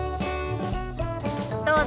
どうぞ。